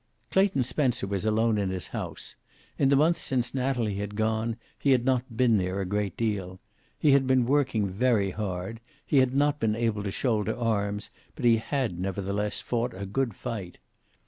Clayton Spencer was alone in his house. In the months since Natalie had gone, he had not been there a great deal. He had been working very hard. He had not been able to shoulder arms, but he had, nevertheless, fought a good fight.